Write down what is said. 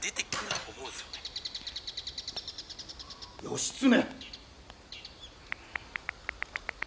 義経！